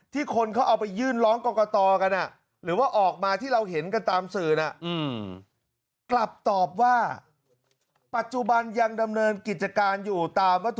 ที่คนเขาเอาไปยื่นร้องกล่องกล่อตอกัน